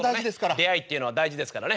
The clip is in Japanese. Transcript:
出会いっていうのは大事ですからね。